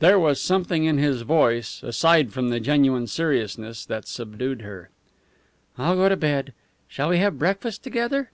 There was something in his voice, aside from the genuine seriousness, that subdued her. "I'll go to bed. Shall we have breakfast together?"